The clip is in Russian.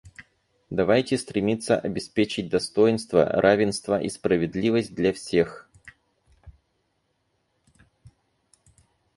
Давайте стремиться обеспечить достоинство, равенство и справедливость для всех.